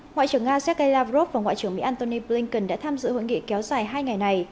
ngoại trưởng nga sergei lavrov và ngoại trưởng mỹ antony blinken đã tham dự hội nghị kéo dài hai ngày này